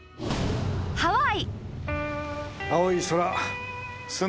［ハワイ］